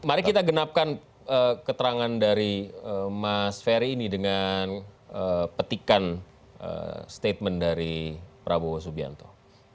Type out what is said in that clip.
mari kita genapkan keterangan dari mas ferry ini dengan petikan statement dari prabowo subianto